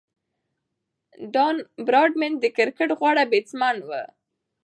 ډان براډمن د کرکټ غوره بیټسمېن وو.